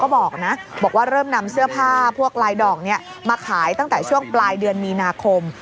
บอกนะบอกว่าเริ่มนำเสื้อผ้าพวกลายดอกมาขายตั้งแต่ช่วงปลายเดือนมีนาคม